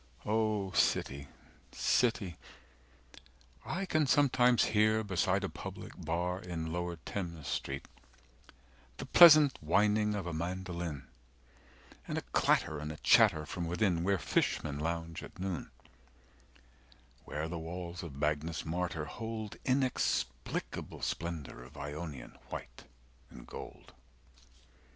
O City City, I can sometimes hear Beside a public bar in Lower Thames Street, 260 The pleasant whining of a mandoline And a clatter and a chatter from within Where fishmen lounge at noon: where the walls Of Magnus Martyr hold Inexplicable splendour of Ionian white and gold.